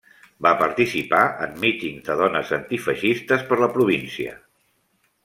Va participar en mítings de Dones Antifeixistes per la província.